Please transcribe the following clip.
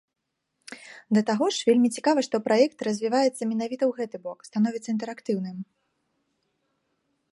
Да таго ж, вельмі цікава, што праект развіваецца менавіта ў гэты бок, становіцца інтэрактыўным.